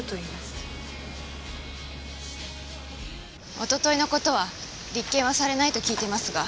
一昨日の事は立件はされないと聞いてますが。